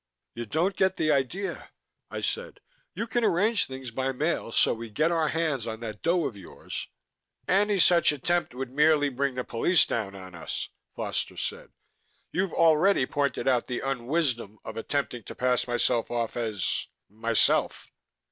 "You don't get the idea," I said. "You can arrange things by mail so we get our hands on that dough of yours " "Any such attempt would merely bring the police down on us," Foster said. "You've already pointed out the unwisdom of attempting to pass myself off as myself."